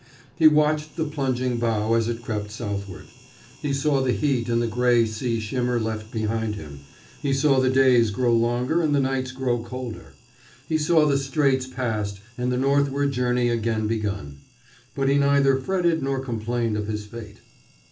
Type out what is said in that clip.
He watched the plunging bow as it crept southward. He saw the heat and the gray sea shimmer left behind him. He saw the days grow longer and the nights grow colder. He saw the Straits passed and the northward journey again begun. But he neither fretted nor complained of his fate.